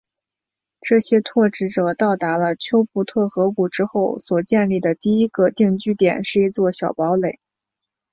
这些拓殖者到达了丘布特河谷之后所建立的第一个定居点是一座小堡垒。